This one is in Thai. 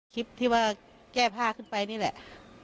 คลิปที่ว่าแก้ผ้าขึ้นไปนี่แหละ